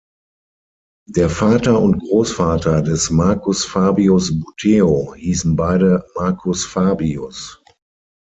Der Vater und Großvater des Marcus Fabius Buteo hießen beide "Marcus Fabius".